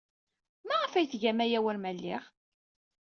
Maɣef ay tgam aya war ma lliɣ?